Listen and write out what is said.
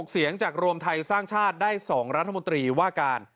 เสียงจากรวมไทยสร้างชาติได้๒รัฐมนตรีว่าการ